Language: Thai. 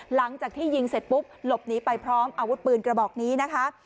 หลังจากที่ยิงเสร็จปุ๊บหลบหนีไปพร้อมอาวุธปืนกระบอกนี้นะคะ